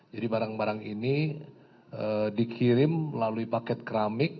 jadi barang barang ini dikirim melalui paket keramik